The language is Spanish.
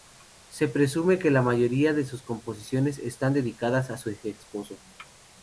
Se presume que la mayoría de sus composiciones están dedicadas a su ex-esposo.